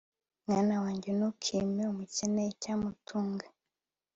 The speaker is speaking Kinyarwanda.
mwana wanjye, ntukime umukene icyamutunga